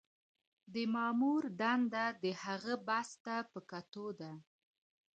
د مامور دنده د هغه بست ته په کتو ده.